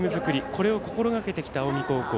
これを心がけてきた近江高校。